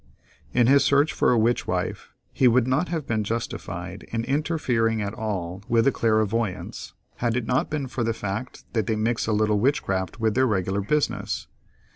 In his search for a witch wife he would not have been justified in interfering at all with the clairvoyants had it not been for the fact that they mix a little witchcraft with their regular business.